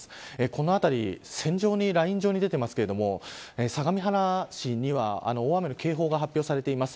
この辺り、線状にライン状に出てますけれども相模原市には大雨の警報が発表されています。